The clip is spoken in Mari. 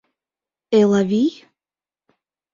Элавий?